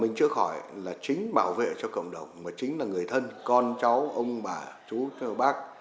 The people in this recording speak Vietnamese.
mình chưa khỏi là chính bảo vệ cho cộng đồng mà chính là người thân con cháu ông bà chú cho bác